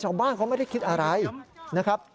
ชาวบ้านเขาไม่ได้คิดอะไรนะครับ